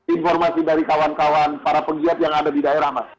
informasi dari kawan kawan para pegiat yang ada di daerah mas